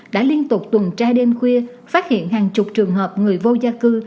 đã liên tục tuần tra đêm khuya phát hiện hàng chục trường hợp người vô gia cư